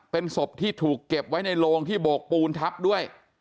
เป็นศพที่ถูกเก็บไว้ในโลงที่โบกปูนทับด้วย